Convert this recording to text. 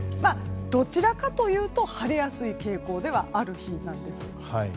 どちらかというと晴れやすい傾向ではある日なんです。